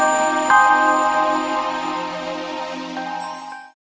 saat aku bangkit